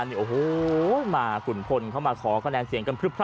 นี่โอโหคุณพลเข้ามาขอคะแนนเสียงกันเพื่อคุณพี่นะฮะ